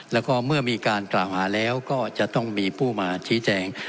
แล้วก็เมื่อมีการกล่าวหาแล้วก็จะต้องมีผู้มาชี้แจง